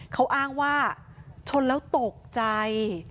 เขาอ้างว่าชนแล้วตกใจ